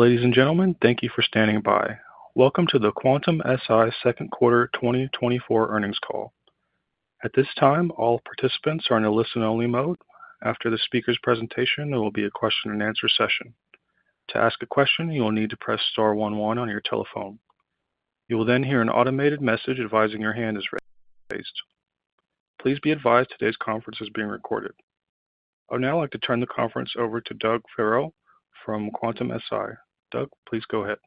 Ladies and gentlemen, thank you for standing by. Welcome to the Quantum-Si Second Quarter 2024 Earnings Call. At this time, all participants are in a listen-only mode. After the speaker's presentation, there will be a question-and-answer session. To ask a question, you will need to press star one one on your telephone. You will then hear an automated message advising your hand is raised. Please be advised today's conference is being recorded. I would now like to turn the conference over to Doug Farrell from Quantum-Si. Doug, please go ahead.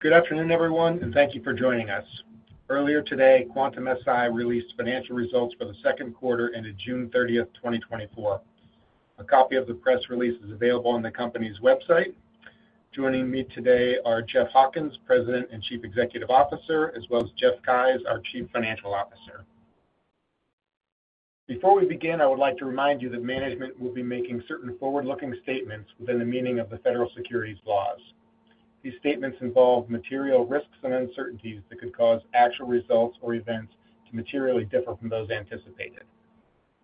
Good afternoon, everyone, and thank you for joining us. Earlier today, Quantum-Si released financial results for the second quarter ended June 30th, 2024. A copy of the press release is available on the company's website. Joining me today are Jeff Hawkins, President and Chief Executive Officer, as well as Jeff Keyes, our Chief Financial Officer. Before we begin, I would like to remind you that management will be making certain forward-looking statements within the meaning of the federal securities laws. These statements involve material risks and uncertainties that could cause actual results or events to materially differ from those anticipated.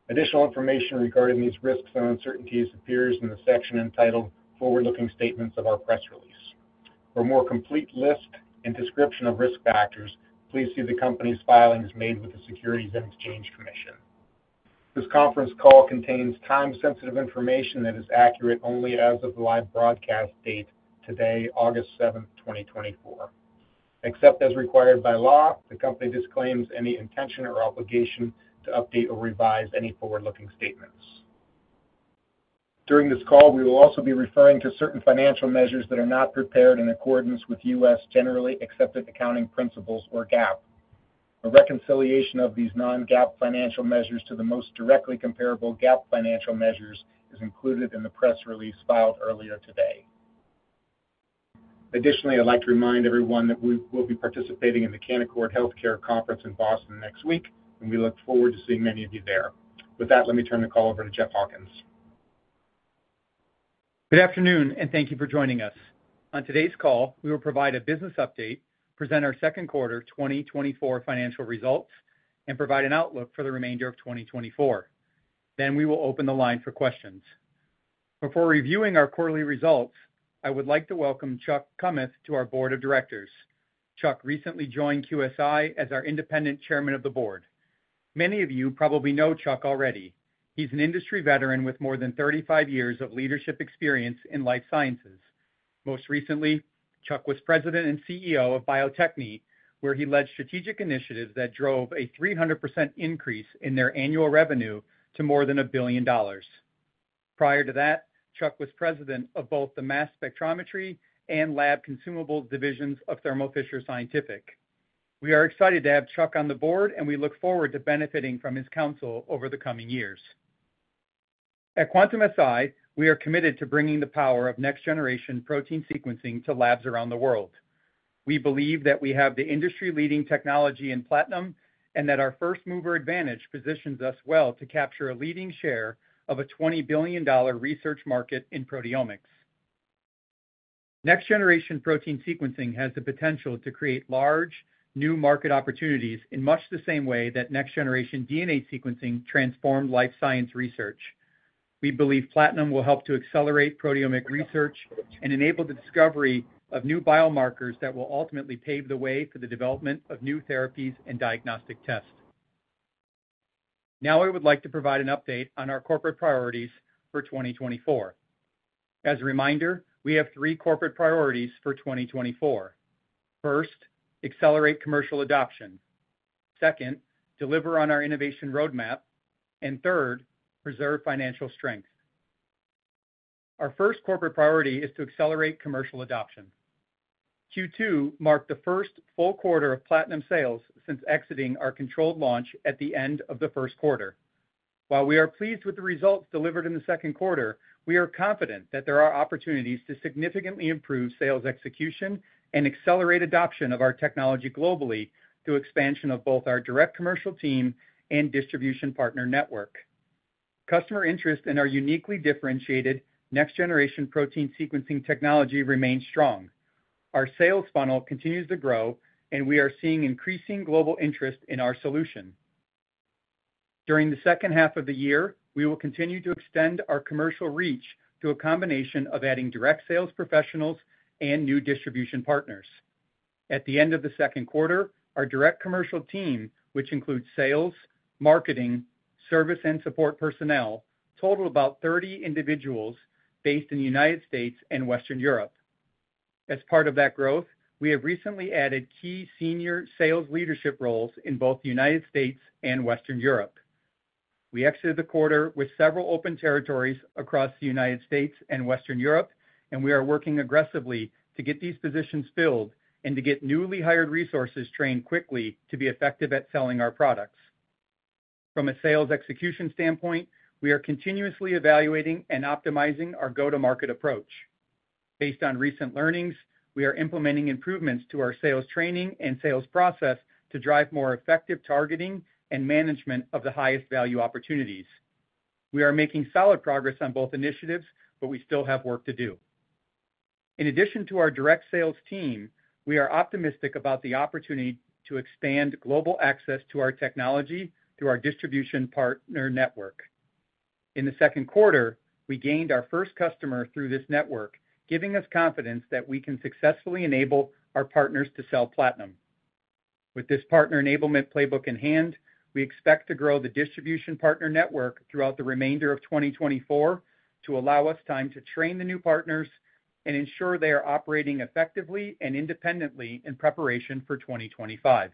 Additional information regarding these risks and uncertainties appears in the section entitled Forward-Looking Statements of our Press Release. For a more complete list and description of risk factors, please see the company's filings made with the Securities and Exchange Commission. This conference call contains time-sensitive information that is accurate only as of the live broadcast date today, August 7th, 2024. Except as required by law, the company disclaims any intention or obligation to update or revise any forward-looking statements. During this call, we will also be referring to certain financial measures that are not prepared in accordance with U.S. Generally Accepted Accounting Principles, or GAAP. A reconciliation of these non-GAAP financial measures to the most directly comparable GAAP financial measures is included in the press release filed earlier today. Additionally, I'd like to remind everyone that we will be participating in the Canaccord Genuity Healthcare Conference in Boston next week, and we look forward to seeing many of you there. With that, let me turn the call over to Jeff Hawkins. Good afternoon, and thank you for joining us. On today's call, we will provide a business update, present our second quarter 2024 financial results, and provide an outlook for the remainder of 2024. Then we will open the line for questions. Before reviewing our quarterly results, I would like to welcome Chuck Kummeth to our Board of Directors. Chuck recently joined QSI as our Independent Chairman of the Board. Many of you probably know Chuck already. He's an industry veteran with more than 35 years of leadership experience in life sciences. Most recently, Chuck was President and CEO of Bio-Techne, where he led strategic initiatives that drove a 300% increase in their annual revenue to more than $1 billion. Prior to that, Chuck was president of both the mass spectrometry and lab consumables divisions of Thermo Fisher Scientific. We are excited to have Chuck on the board, and we look forward to benefiting from his counsel over the coming years. At Quantum-Si, we are committed to bringing the power of next-generation protein sequencing to labs around the world. We believe that we have the industry-leading technology in Platinum and that our first-mover advantage positions us well to capture a leading share of a $20 billion research market in proteomics. Next-generation protein sequencing has the potential to create large new market opportunities in much the same way that next-generation DNA sequencing transformed life science research. We believe Platinum will help to accelerate proteomic research and enable the discovery of new biomarkers that will ultimately pave the way for the development of new therapies and diagnostic tests. Now, I would like to provide an update on our corporate priorities for 2024. As a reminder, we have three corporate priorities for 2024. First, accelerate commercial adoption. Second, deliver on our innovation roadmap. Third, preserve financial strength. Our first corporate priority is to accelerate commercial adoption. Q2 marked the first full quarter of Platinum sales since exiting our controlled launch at the end of the first quarter. While we are pleased with the results delivered in the second quarter, we are confident that there are opportunities to significantly improve sales execution and accelerate adoption of our technology globally through expansion of both our direct commercial team and distribution partner network. Customer interest in our uniquely differentiated next-generation protein sequencing technology remains strong. Our sales funnel continues to grow, and we are seeing increasing global interest in our solution. During the second half of the year, we will continue to extend our commercial reach through a combination of adding direct sales professionals and new distribution partners. At the end of the second quarter, our direct commercial team, which includes sales, marketing, service, and support personnel, totaled about 30 individuals based in the United States and Western Europe. As part of that growth, we have recently added key senior sales leadership roles in both the United States and Western Europe. We exited the quarter with several open territories across the United States and Western Europe, and we are working aggressively to get these positions filled and to get newly hired resources trained quickly to be effective at selling our products. From a sales execution standpoint, we are continuously evaluating and optimizing our go-to-market approach. Based on recent learnings, we are implementing improvements to our sales training and sales process to drive more effective targeting and management of the highest value opportunities. We are making solid progress on both initiatives, but we still have work to do. In addition to our direct sales team, we are optimistic about the opportunity to expand global access to our technology through our distribution partner network. In the second quarter, we gained our first customer through this network, giving us confidence that we can successfully enable our partners to sell Platinum. With this partner enablement playbook in hand, we expect to grow the distribution partner network throughout the remainder of 2024 to allow us time to train the new partners and ensure they are operating effectively and independently in preparation for 2025.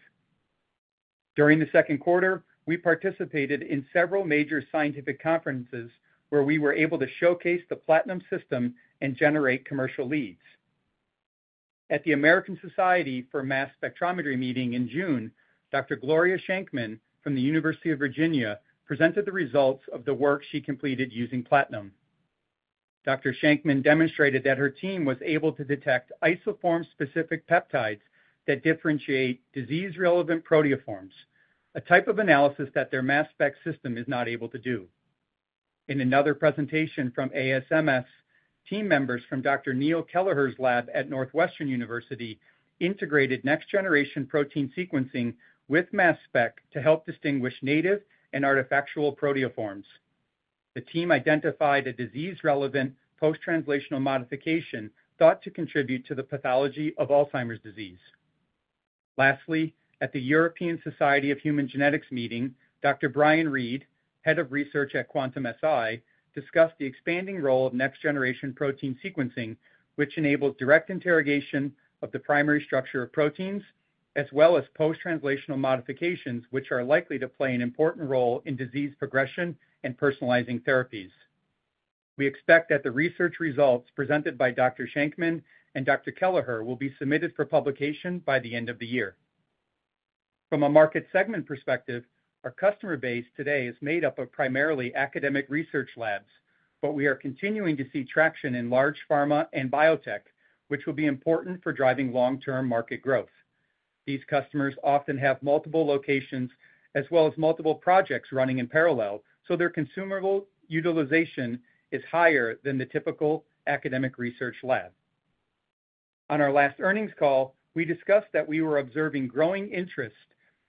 During the second quarter, we participated in several major scientific conferences where we were able to showcase the Platinum system and generate commercial leads. At the American Society for Mass Spectrometry meeting in June, Dr. Gloria Sheynkman from the University of Virginia presented the results of the work she completed using Platinum. Dr. Sheynkman demonstrated that her team was able to detect isoform-specific peptides that differentiate disease-relevant proteoforms, a type of analysis that their mass spec system is not able to do. In another presentation from ASMS, team members from Dr. Neil Kelleher's lab at Northwestern University integrated next-generation protein sequencing with mass spec to help distinguish native and artifactual proteoforms. The team identified a disease-relevant post-translational modification thought to contribute to the pathology of Alzheimer's disease. Lastly, at the European Society of Human Genetics meeting, Dr. Brian Reed, Head of Research at Quantum-Si, discussed the expanding role of next-generation protein sequencing, which enables direct interrogation of the primary structure of proteins, as well as post-translational modifications, which are likely to play an important role in disease progression and personalizing therapies. We expect that the research results presented by Dr. Sheynkman and Dr. Kelleher will be submitted for publication by the end of the year. From a market segment perspective, our customer base today is made up of primarily academic research labs, but we are continuing to see traction in large pharma and biotech, which will be important for driving long-term market growth. These customers often have multiple locations as well as multiple projects running in parallel, so their consumable utilization is higher than the typical academic research lab. On our last earnings call, we discussed that we were observing growing interest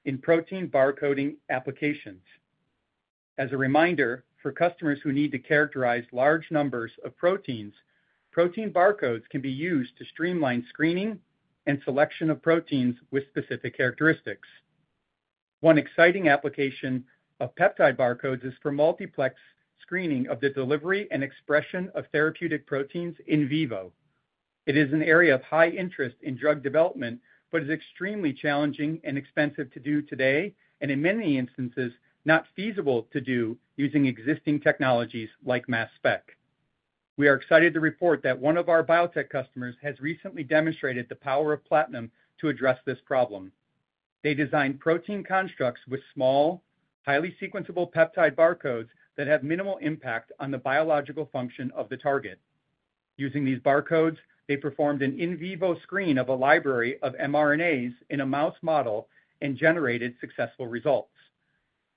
in protein barcoding applications. As a reminder, for customers who need to characterize large numbers of proteins, protein barcodes can be used to streamline screening and selection of proteins with specific characteristics. One exciting application of peptide barcodes is for multiplex screening of the delivery and expression of therapeutic proteins in vivo. It is an area of high interest in drug development, but is extremely challenging and expensive to do today, and in many instances, not feasible to do using existing technologies like mass spec. We are excited to report that one of our biotech customers has recently demonstrated the power of Platinum to address this problem. They designed protein constructs with small, highly sequenceable peptide barcodes that have minimal impact on the biological function of the target. Using these barcodes, they performed an in vivo screen of a library of mRNAs in a mouse model and generated successful results.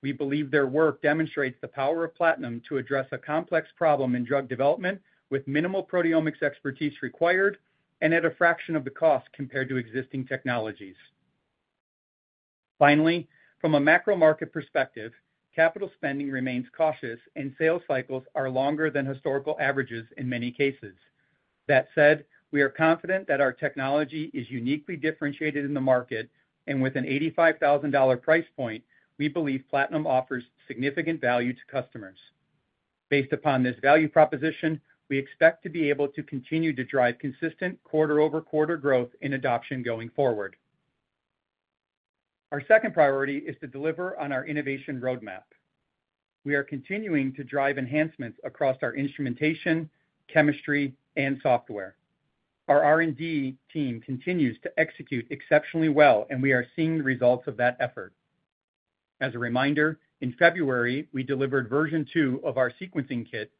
We believe their work demonstrates the power of Platinum to address a complex problem in drug development with minimal proteomics expertise required and at a fraction of the cost compared to existing technologies. Finally, from a macro market perspective, capital spending remains cautious, and sales cycles are longer than historical averages in many cases. That said, we are confident that our technology is uniquely differentiated in the market, and with an $85,000 price point, we believe Platinum offers significant value to customers. Based upon this value proposition, we expect to be able to continue to drive consistent quarter-over-quarter growth in adoption going forward. Our second priority is to deliver on our innovation roadmap. We are continuing to drive enhancements across our instrumentation, chemistry, and software. Our R&D team continues to execute exceptionally well, and we are seeing the results of that effort. As a reminder, in February, we delivered version 2 of our Sequencing Kit,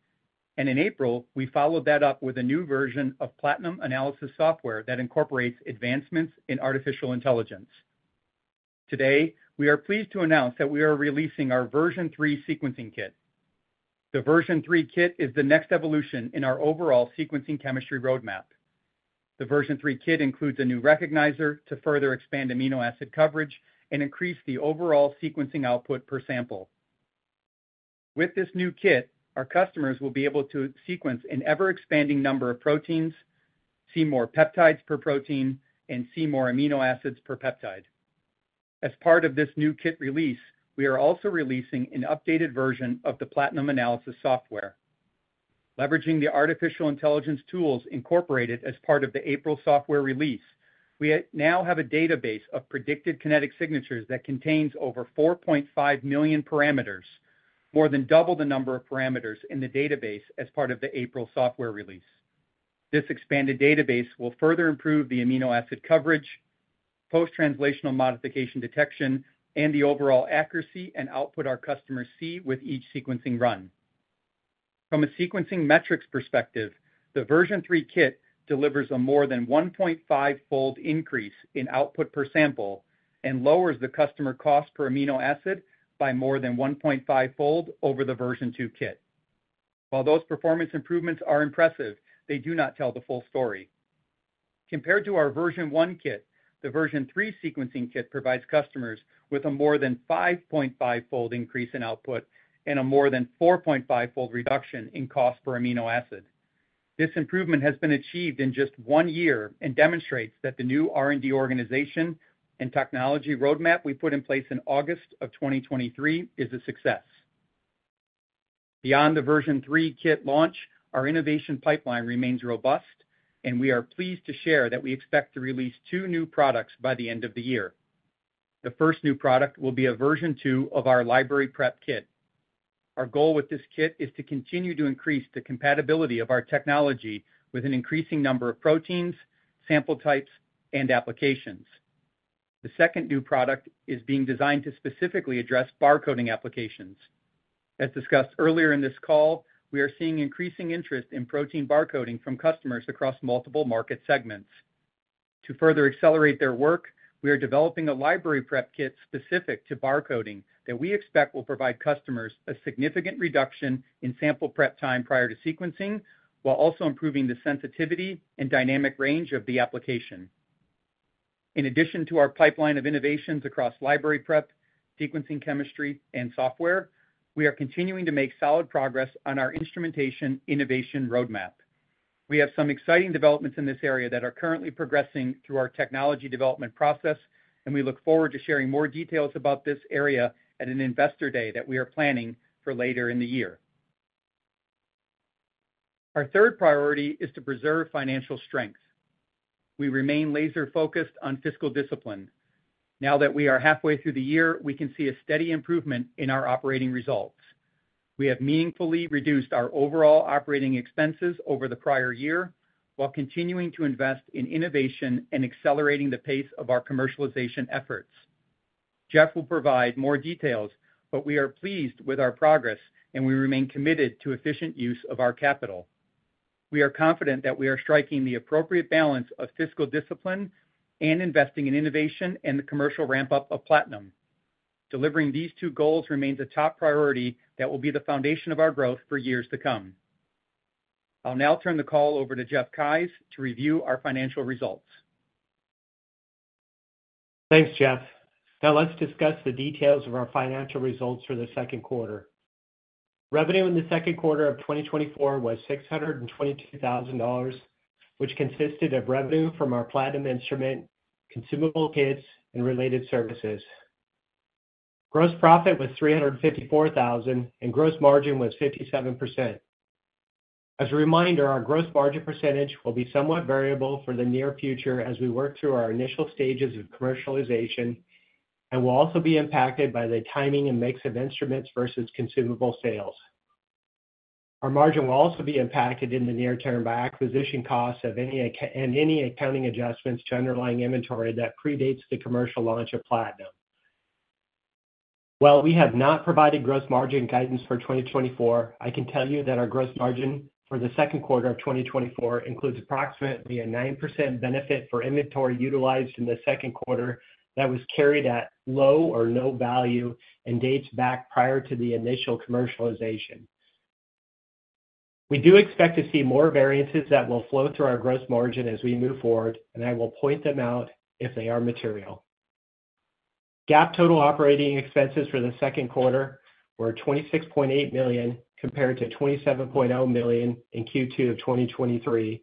and in April, we followed that up with a new version of Platinum Analysis Software that incorporates advancements in artificial intelligence. Today, we are pleased to announce that we are releasing our version 3 Sequencing Kit. The version 3 kit is the next evolution in our overall sequencing chemistry roadmap. The version 3 kit includes a new recognizer to further expand amino acid coverage and increase the overall sequencing output per sample. With this new kit, our customers will be able to sequence an ever-expanding number of proteins, see more peptides per protein, and see more amino acids per peptide. As part of this new kit release, we are also releasing an updated version of the Platinum Analysis Software. Leveraging the artificial intelligence tools incorporated as part of the April software release, we now have a database of predicted kinetic signatures that contains over 4.5 million parameters, more than double the number of parameters in the database as part of the April software release. This expanded database will further improve the amino acid coverage, post-translational modification detection, and the overall accuracy and output our customers see with each sequencing run. From a sequencing metrics perspective, the version three kit delivers a more than 1.5-fold increase in output per sample and lowers the customer cost per amino acid by more than 1.5-fold over the version two kit. While those performance improvements are impressive, they do not tell the full story. Compared to our version one kit, the version three sequencing kit provides customers with a more than 5.5-fold increase in output and a more than 4.5-fold reduction in cost per amino acid. This improvement has been achieved in just one year and demonstrates that the new R&D organization and technology roadmap we put in place in August of 2023 is a success. Beyond the version three kit launch, our innovation pipeline remains robust, and we are pleased to share that we expect to release two new products by the end of the year. The first new product will be a version two of our library prep kit. Our goal with this kit is to continue to increase the compatibility of our technology with an increasing number of proteins, sample types, and applications. The second new product is being designed to specifically address barcoding applications. As discussed earlier in this call, we are seeing increasing interest in protein barcoding from customers across multiple market segments. To further accelerate their work, we are developing a library prep kit specific to barcoding that we expect will provide customers a significant reduction in sample prep time prior to sequencing, while also improving the sensitivity and dynamic range of the application. In addition to our pipeline of innovations across library prep, sequencing chemistry, and software, we are continuing to make solid progress on our instrumentation innovation roadmap. We have some exciting developments in this area that are currently progressing through our technology development process, and we look forward to sharing more details about this area at an investor day that we are planning for later in the year. Our third priority is to preserve financial strength. We remain laser-focused on fiscal discipline. Now that we are halfway through the year, we can see a steady improvement in our operating results. We have meaningfully reduced our overall operating expenses over the prior year while continuing to invest in innovation and accelerating the pace of our commercialization efforts. Jeff will provide more details, but we are pleased with our progress, and we remain committed to efficient use of our capital. We are confident that we are striking the appropriate balance of fiscal discipline and investing in innovation and the commercial ramp-up of Platinum. Delivering these two goals remains a top priority that will be the foundation of our growth for years to come. I'll now turn the call over to Jeff Keyes to review our financial results. Thanks, Jeff. Now let's discuss the details of our financial results for the second quarter. Revenue in the second quarter of 2024 was $622,000, which consisted of revenue from our Platinum instrument, consumable kits, and related services. Gross profit was $354,000, and gross margin was 57%. As a reminder, our gross margin percentage will be somewhat variable for the near future as we work through our initial stages of commercialization, and will also be impacted by the timing and mix of instruments versus consumable sales. Our margin will also be impacted in the near term by acquisition costs and any accounting adjustments to underlying inventory that predates the commercial launch of Platinum. While we have not provided gross margin guidance for 2024, I can tell you that our gross margin for the second quarter of 2024 includes approximately a 9% benefit for inventory utilized in the second quarter that was carried at low or no value and dates back prior to the initial commercialization. We do expect to see more variances that will flow through our gross margin as we move forward, and I will point them out if they are material. GAAP total operating expenses for the second quarter were $26.8 million compared to $27.0 million in Q2 of 2023,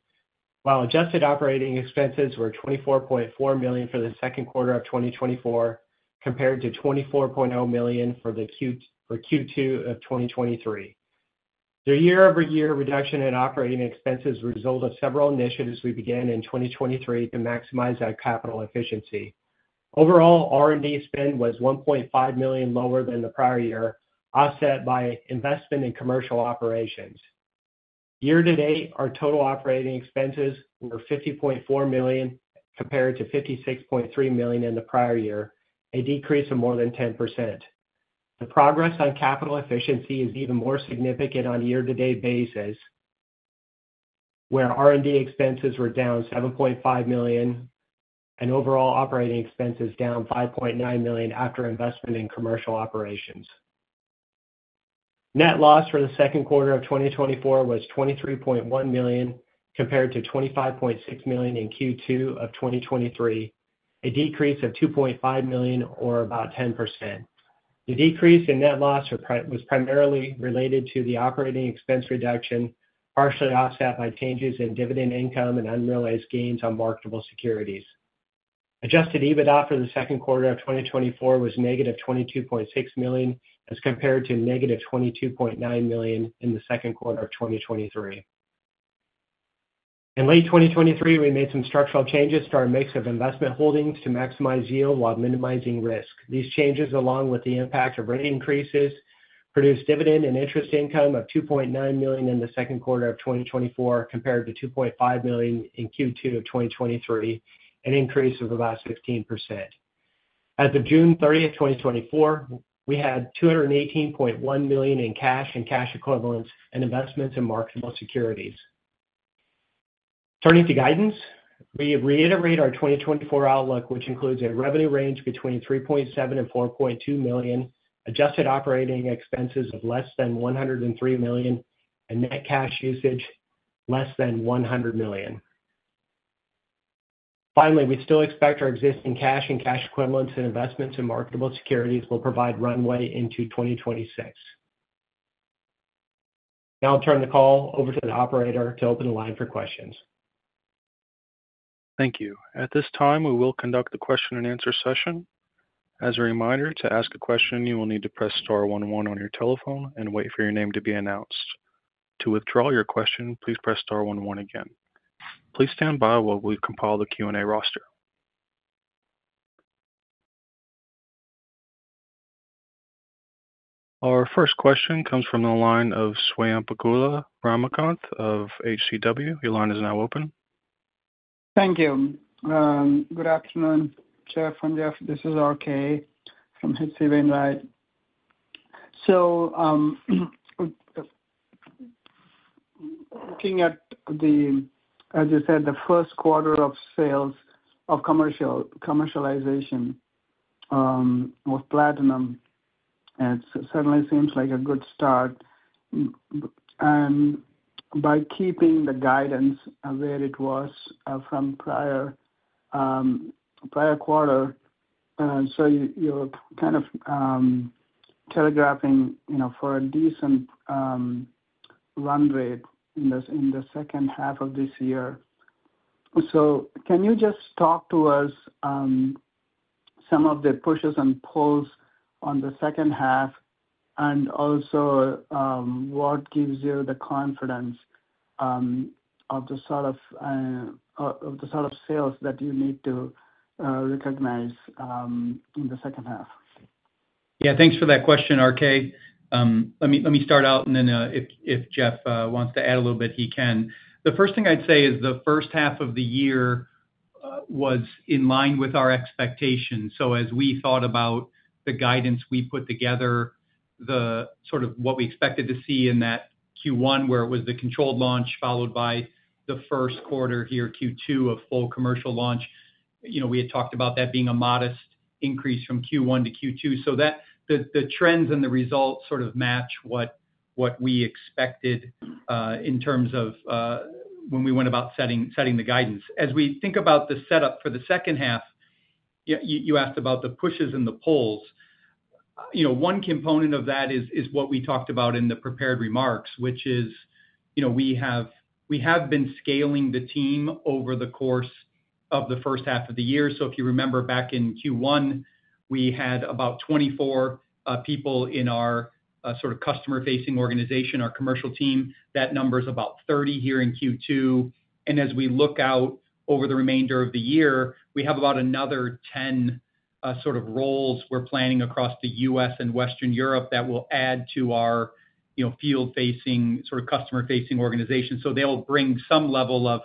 while adjusted operating expenses were $24.4 million for the second quarter of 2024 compared to $24.0 million for Q2 of 2023. The year-over-year reduction in operating expenses resulted from several initiatives we began in 2023 to maximize our capital efficiency. Overall, R&D spend was $1.5 million lower than the prior year, offset by investment in commercial operations. Year-to-date, our total operating expenses were $50.4 million compared to $56.3 million in the prior year, a decrease of more than 10%. The progress on capital efficiency is even more significant on a year-to-date basis, where R&D expenses were down $7.5 million and overall operating expenses down $5.9 million after investment in commercial operations. Net loss for the second quarter of 2024 was $23.1 million compared to $25.6 million in Q2 of 2023, a decrease of $2.5 million, or about 10%. The decrease in net loss was primarily related to the operating expense reduction, partially offset by changes in dividend income and unrealized gains on marketable securities. Adjusted EBITDA for the second quarter of 2024 was negative $22.6 million as compared to negative $22.9 million in the second quarter of 2023. In late 2023, we made some structural changes to our mix of investment holdings to maximize yield while minimizing risk. These changes, along with the impact of rate increases, produced dividend and interest income of $2.9 million in the second quarter of 2024 compared to $2.5 million in Q2 of 2023, an increase of about 15%. As of June 30th, 2024, we had $218.1 million in cash and cash equivalents and investments in marketable securities. Turning to guidance, we reiterate our 2024 outlook, which includes a revenue range between $3.7-$4.2 million, adjusted operating expenses of less than $103 million, and net cash usage less than $100 million. Finally, we still expect our existing cash and cash equivalents and investments in marketable securities will provide runway into 2026. Now I'll turn the call over to the operator to open the line for questions. Thank you. At this time, we will conduct the question-and-answer session. As a reminder, to ask a question, you will need to press star 11 on your telephone and wait for your name to be announced. To withdraw your question, please press star 11 again. Please stand by while we compile the Q&A roster. Our first question comes from the line of Swayampakula Ramakanth of HCW. Your line is now open. Thank you. Good afternoon, Jeff. This is RK from H.C. Wainwright. So looking at the, as you said, the first quarter of sales of commercialization with Platinum, it certainly seems like a good start. And by keeping the guidance of where it was from the prior quarter, so you're kind of telegraphing for a decent run rate in the second half of this year. So, can you just talk to us some of the pushes and pulls on the second half and also what gives you the confidence of the sort of sales that you need to recognize in the second half? Yeah, thanks for that question, RK. Let me start out, and then if Jeff wants to add a little bit, he can. The first thing I'd say is the first half of the year was in line with our expectations. So as we thought about the guidance we put together, the sort of what we expected to see in that Q1, where it was the controlled launch followed by the first quarter here, Q2, of full commercial launch, we had talked about that being a modest increase from Q1-Q2. So the trends and the results sort of match what we expected in terms of when we went about setting the guidance. As we think about the setup for the second half, you asked about the pushes and the pulls. One component of that is what we talked about in the prepared remarks, which is we have been scaling the team over the course of the first half of the year. So if you remember, back in Q1, we had about 24 people in our sort of customer-facing organization, our commercial team. That number is about 30 here in Q2. And as we look out over the remainder of the year, we have about another 10 sort of roles we're planning across the U.S. and Western Europe that will add to our field-facing, sort of customer-facing organization. So they'll bring some level of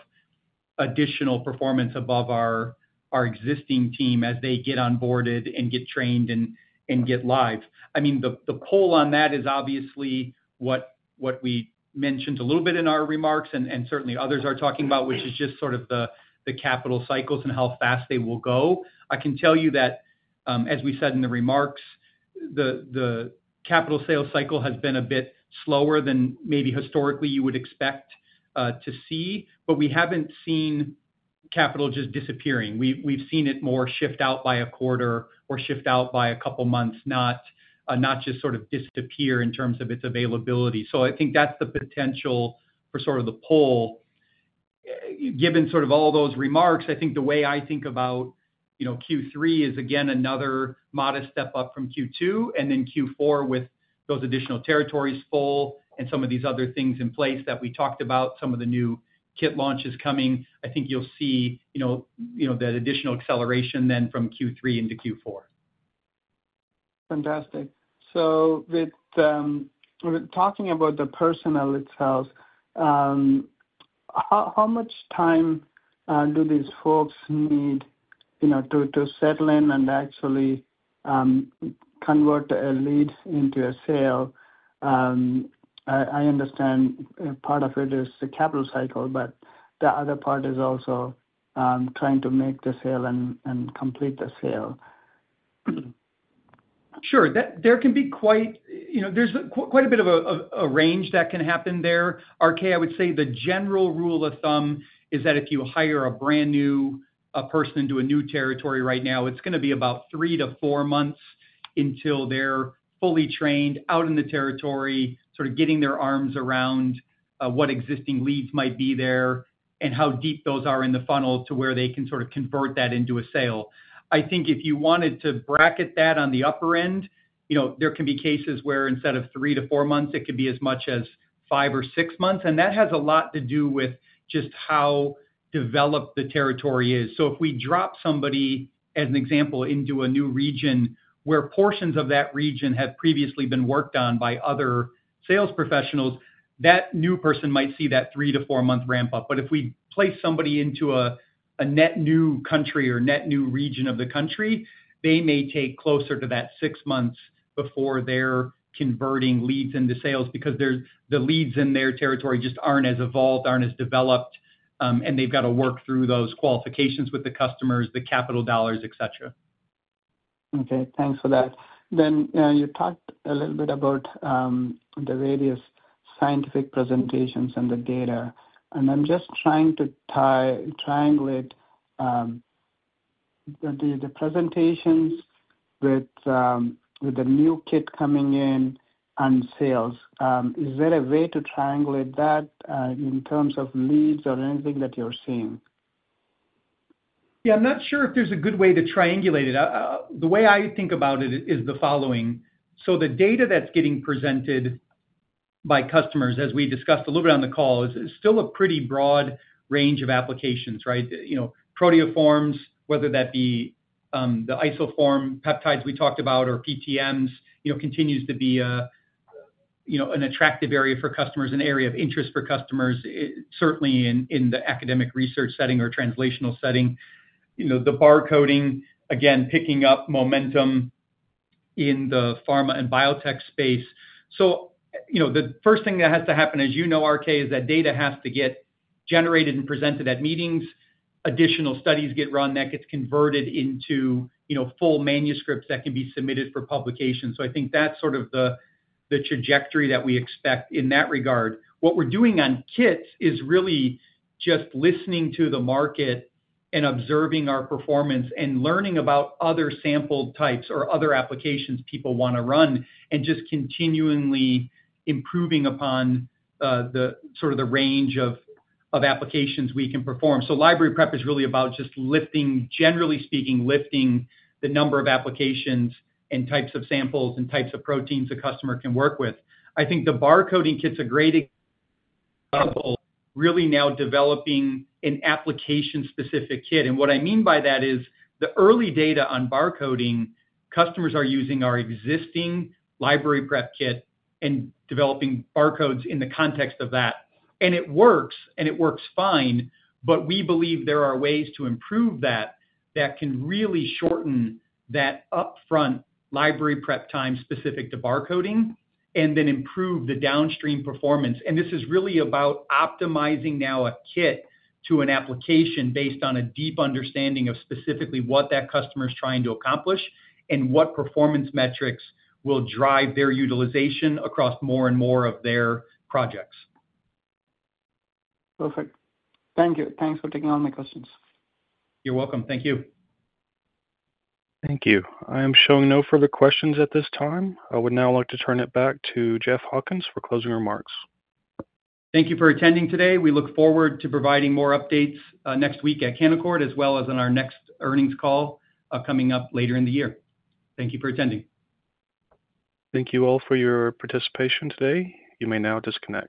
additional performance above our existing team as they get onboarded and get trained and get live. I mean, the pull on that is obviously what we mentioned a little bit in our remarks and certainly others are talking about, which is just sort of the capital cycles and how fast they will go. I can tell you that, as we said in the remarks, the capital sales cycle has been a bit slower than maybe historically you would expect to see, but we haven't seen capital just disappearing. We've seen it more shift out by a quarter or shift out by a couple of months, not just sort of disappear in terms of its availability. So I think that's the potential for sort of the pull. Given sort of all those remarks, I think the way I think about Q3 is, again, another modest step up from Q2 and then Q4 with those additional territories full and some of these other things in place that we talked about, some of the new kit launches coming. I think you'll see that additional acceleration then from Q3 into Q4. Fantastic. So talking about the personnel itself, how much time do these folks need to settle in and actually convert a lead into a sale? I understand part of it is the capital cycle, but the other part is also trying to make the sale and complete the sale. Sure. There can be quite a bit of a range that can happen there. RK, I would say the general rule of thumb is that if you hire a brand new person into a new territory right now, it's going to be about 3-4 months until they're fully trained, out in the territory, sort of getting their arms around what existing leads might be there and how deep those are in the funnel to where they can sort of convert that into a sale. I think if you wanted to bracket that on the upper end, there can be cases where instead of 3-4 months, it could be as much as 5 or 6 months. And that has a lot to do with just how developed the territory is. So if we drop somebody, as an example, into a new region where portions of that region have previously been worked on by other sales professionals, that new person might see that 3-4 month ramp-up. But if we place somebody into a net new country or net new region of the country, they may take closer to that 6 months before they're converting leads into sales because the leads in their territory just aren't as evolved, aren't as developed, and they've got to work through those qualifications with the customers, the capital dollars, etc. Okay. Thanks for that. Then you talked a little bit about the various scientific presentations and the data. And I'm just trying to triangulate the presentations with the new kit coming in and sales. Is there a way to triangulate that in terms of leads or anything that you're seeing? Yeah, I'm not sure if there's a good way to triangulate it. The way I think about it is the following. So the data that's getting presented by customers, as we discussed a little bit on the call, is still a pretty broad range of applications, right? Proteoforms, whether that be the isoform peptides we talked about or PTMs, continues to be an attractive area for customers, an area of interest for customers, certainly in the academic research setting or translational setting. The barcoding, again, picking up momentum in the pharma and biotech space. So the first thing that has to happen, as you know, RK, is that data has to get generated and presented at meetings. Additional studies get run. That gets converted into full manuscripts that can be submitted for publication. So I think that's sort of the trajectory that we expect in that regard. What we're doing on kits is really just listening to the market and observing our performance and learning about other sample types or other applications people want to run and just continuingly improving upon sort of the range of applications we can perform. So library prep is really about just, generally speaking, lifting the number of applications and types of samples and types of proteins a customer can work with. I think the barcoding kit's a great example of really now developing an application-specific kit. And what I mean by that is the early data on barcoding, customers are using our existing library prep kit and developing barcodes in the context of that. And it works, and it works fine, but we believe there are ways to improve that that can really shorten that upfront library prep time specific to barcoding and then improve the downstream performance. And this is really about optimizing now a kit to an application based on a deep understanding of specifically what that customer is trying to accomplish and what performance metrics will drive their utilization across more and more of their projects. Perfect. Thank you. Thanks for taking all my questions. You're welcome. Thank you. Thank you. I am showing no further questions at this time. I would now like to turn it back to Jeff Hawkins for closing remarks. Thank you for attending today. We look forward to providing more updates next week at Canaccord as well as on our next earnings call coming up later in the year. Thank you for attending. Thank you all for your participation today. You may now disconnect.